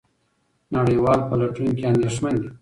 نړیوال پلټونکي اندېښمن دي.